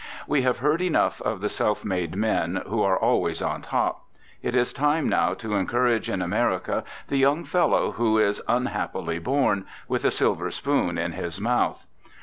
We have heard enough of the self made men, who are always on top ; it is time now to encourage in America the young fellow who is unhappily born * with a silver spoon in his mouth